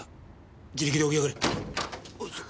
自力で起き上がれ。